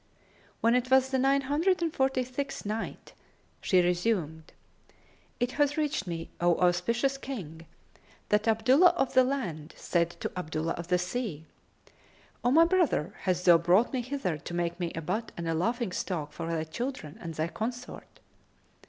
When it was the Nine Hundred and Forty sixth Night, She resumed, It hath reached me, O auspicious King, that Abdullah of the Land said to Abdullah of the sea, "O my brother, hast thou brought me hither to make me a butt and a laughing stock for thy children and thy consort?"